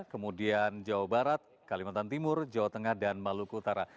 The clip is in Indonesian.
kemudian jawa barat kalimantan timur jawa tengah dan maluku utara